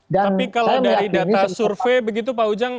tapi kalau dari data survei begitu pak ujang